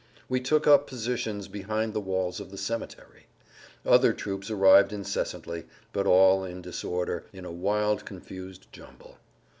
We took up positions behind the walls of the cemetery.[Pg 116] Other troops arrived incessantly, but all in disorder, in a wild confused jumble.